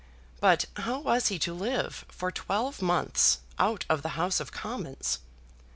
But how was he to live for twelve months out of the House of Commons?